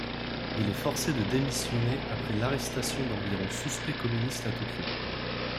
Il est forcé de démissionner après l'arrestation d'environ suspects communistes à Tokyo.